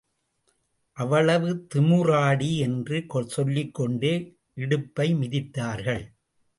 அவ்வளவு திமுறாடி என்று சொல்லிக்கொண்டே இடுப்பை மிதித்தார்கள்.